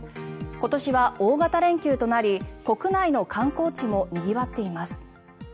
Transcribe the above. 今年は大型連休となり国内の観光地もにぎわっています。